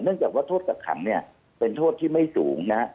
เนื่องจากว่าโทษกักขังเป็นโทษที่ไม่สูงนะ